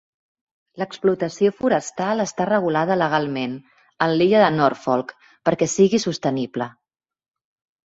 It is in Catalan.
L'explotació forestal està regulada legalment, en l'illa de Norfolk, perquè sigui sostenible.